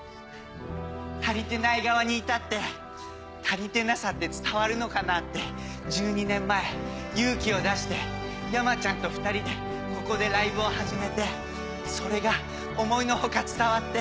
たりてない側にいたってたりてなさって伝わるのかなって１２年前勇気を出して山ちゃんと２人でここでライブを始めてそれが思いの外伝わって。